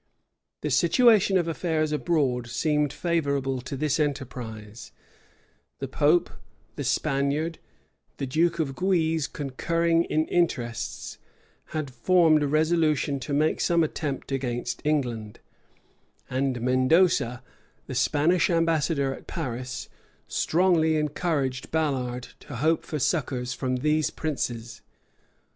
[*] The situation of affairs abroad seemed favorable to this enterprise; the pope, the Spaniard, the duke of Guise, concurring in interests, had formed a resolution to make some attempt against England: and Mendoza, the Spanish ambassador at Paris, strongly encouraged Ballard to hope for succors from these princes.